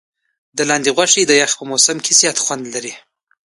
د لاندي غوښي د یخ په موسم کي زیات خوند لري.